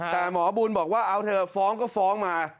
แต่หมอบุญบอกว่าเอาเถอะฟ้องก็ฟ้องมา